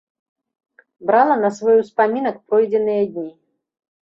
Брала на свой успамінак пройдзеныя дні.